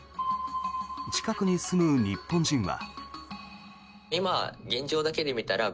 近くに住む日本人は。